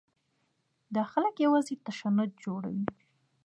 دا خلک یوازې تشنج جوړوي.